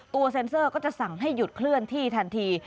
เซ็นเซอร์ก็จะสั่งให้หยุดเคลื่อนที่ทันที